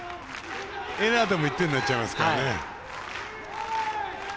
エラーでも１点になっちゃいますからね。